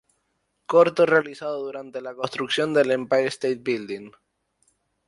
Corto realizado durante la construcción del Empire State Building.